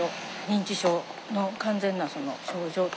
認知症の完全な症状というか。